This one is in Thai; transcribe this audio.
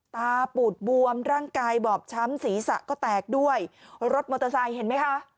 ตาปูดบวมร่างกายบอบช้ำศีรษะก็แตกด้วยรถมอเตอร์ไซค์เห็นไหมคะ